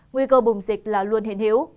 nguy cơ bùng dịch là luôn hiển hiếu